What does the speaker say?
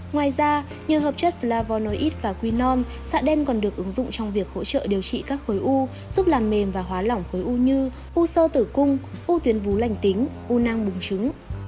ngoài ra như hợp chất flavonoid và quinone xạ đen còn được ứng dụng trong việc hỗ trợ điều trị các khối u giúp làm mềm và hóa lỏng khối u như u sơ tử cung u tuyến vú lành tính u nang bùng trứng